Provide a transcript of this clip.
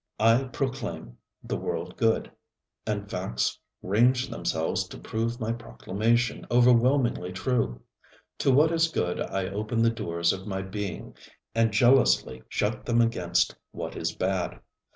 I proclaim the world good, and facts range themselves to prove my proclamation overwhelmingly true. To what is good I open the doors of my being, and jealously shut them against what is bad.